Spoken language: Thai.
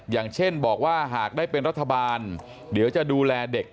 อย่างเช่นบอกว่าหากได้เป็นรัฐบาลเดี๋ยวจะดูแลเด็ก